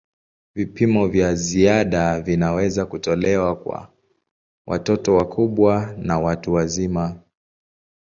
Vipimo vya ziada vinaweza kutolewa kwa watoto wakubwa na watu wazima.